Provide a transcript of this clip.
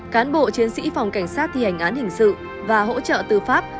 cán bộ chiến sĩ phòng cảnh sát thi hành án hình sự và hỗ trợ tư pháp